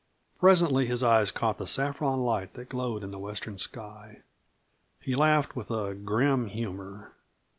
Presently his eyes caught the saffron light that glowed in the western sky. He laughed with a grim humor.